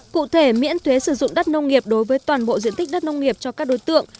cụ thể miễn thuế sử dụng đất nông nghiệp đối với toàn bộ diện tích đất nông nghiệp cho các đối tượng